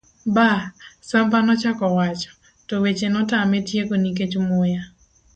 ba.. Samba nochako wacho, to weche notame tieko nikech muya